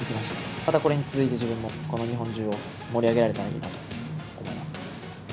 またこれに続いて、自分もこの日本中を盛り上げられたらいいなと思います。